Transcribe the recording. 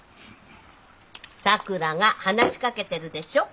さくらが話しかけてるでしょ。